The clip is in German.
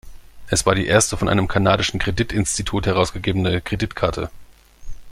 Es war die erste von einem kanadischen Kreditinstitut herausgegebene Kreditkarte.